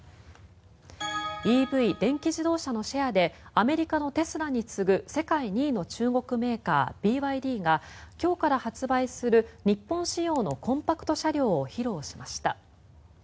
ＥＶ・電気自動車のシェアでアメリカのテスラに次ぐ世界２位の中国メーカーＢＹＤが今日から発売する日本仕様のコンパクト型車両を披露しました。